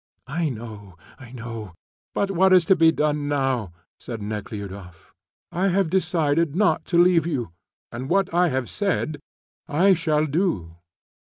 "I know, I know; but what is to be done now?" said Nekhludoff. "I have decided not to leave you, and what I have said I shall do."